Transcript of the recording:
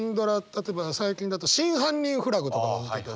例えば最近だと「真犯人フラグ」とか見てて。